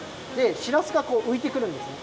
しらすがこうういてくるんですね。